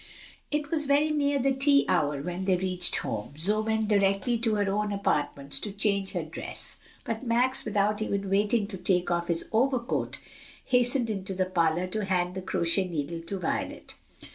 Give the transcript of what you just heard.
It was very near the tea hour when they reached home. Zoe went directly to her own apartments to change her dress, but Max, without even waiting to take off his overcoat, hastened into the parlor to hand the crochet needle to Violet.